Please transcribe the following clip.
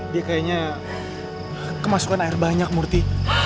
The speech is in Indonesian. dia kayaknya kemasukan air banyak murti